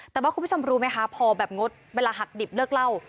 แต่ว่าคุณผู้ชมรู้ไหมคะพอแบบงดเวลาหักดิบเลิกเล่า